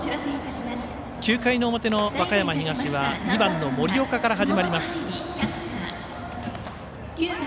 ９回の表の和歌山東は２番の森岡から始まります。